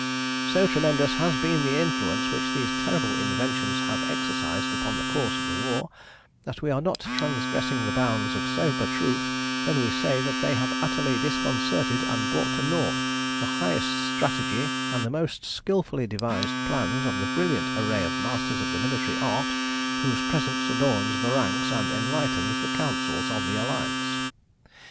"So tremendous has been the influence which these terrible inventions have exercised upon the course of the war, that we are not transgressing the bounds of sober truth when we say that they have utterly disconcerted and brought to nought the highest strategy and the most skilfully devised plans of the brilliant array of masters of the military art whose presence adorns the ranks and enlightens the councils of the Alliance.